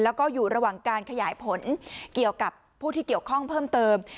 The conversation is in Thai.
แล้วก็อยู่ระหว่างการขยายผลเกี่ยวกับผู้ที่เกี่ยวข้องเพิ่มเติม